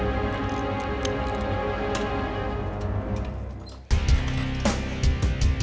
tapi dia udah gitu ngerti